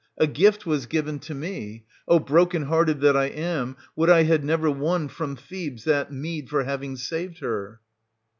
A gift was given to me — O, broken hearted that I am, would I had never won from 540 Thebes that meed for having served her